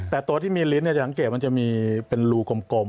แต่ตัวที่มีลิ้นจะสังเกตมันจะมีเป็นรูกลม